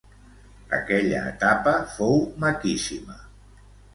Aquella etapa fou maquíssima.